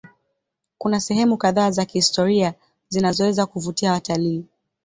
Kuna sehemu kadhaa za kihistoria zinazoweza kuvutia watalii.